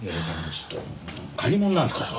ちょっともう借り物なんですから。